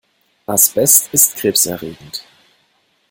Asbest ist krebserregend.